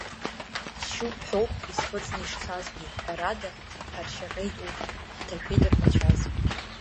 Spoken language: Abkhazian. Сшьупҳәоуп исхыҵны ишцазгьы, ҳәарада, ҳаршьаҟьеит урҭ, ҳҭашәеит рмацәаз.